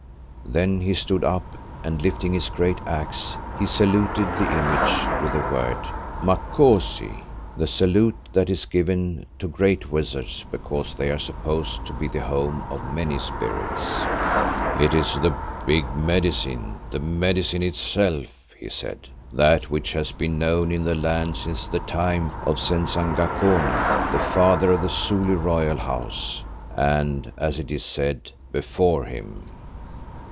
Then he stood up and lifting his great axe, he saluted the image with the word "Makosi!" the salute that is given to great wizards because they are supposed to be the home of many spirits. "It is the big Medicine, the Medicine itself," he said, "that which has been known in the land since the time of Senzangacona, the father of the Zulu Royal House, and as it is said, before him."